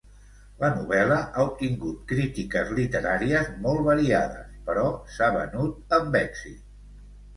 La novel·la ha obtingut crítiques literàries molt variades, però s'ha venut amb èxit.